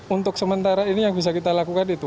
untuk sementara ini yang bisa kita lakukan itu